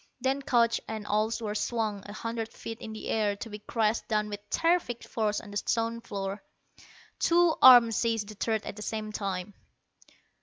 Then couch and all were swung a hundred feet in the air to be crashed down with terrific force on the stone floor. Two arms seized the third at the same time....